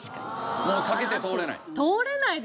もう避けて通れない？